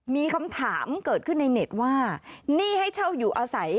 มีคำถามเกิดขึ้นในเน็ตว่านี่ให้เช่าอยู่อาศัย